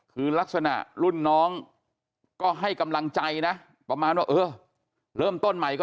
คือลักษณะรุ่นน้องก็ให้กำลังใจนะประมาณว่าเออเริ่มต้นใหม่ก็